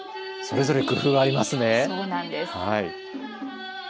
それぞれ工夫がありますね。